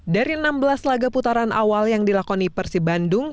dari enam belas laga putaran awal yang dilakoni persib bandung